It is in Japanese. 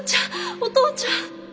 お父ちゃん！